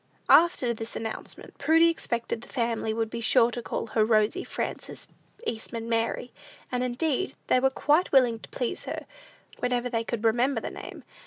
After this announcement, Prudy expected the family would be sure to call her Rosy Frances Eastman Mary; and, indeed, they were quite willing to please her, whenever they could remember the name.